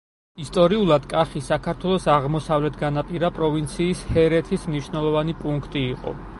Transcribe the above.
ისტორიულად კახი საქართველოს აღმოსავლეთ განაპირა პროვინციის ჰერეთის მნიშვნელოვანი პუნქტი იყო.